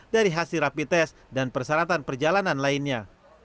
dari hasil rapi tes dan persyaratan perjalanan lainnya